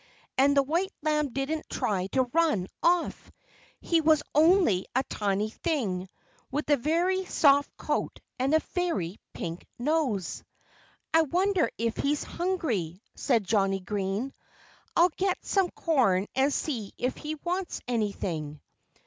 And the white lamb didn't try to run off. He was only a tiny thing, with a very soft coat and a very pink nose. "I wonder if he's hungry," said Johnnie Green. "I'll get some corn and see if he wants anything."